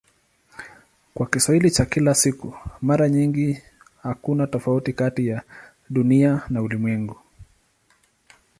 Kwa Kiswahili cha kila siku mara nyingi hakuna tofauti kati ya "Dunia" na "ulimwengu".